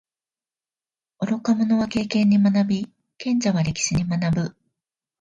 愚か者は経験に学び，賢者は歴史に学ぶ。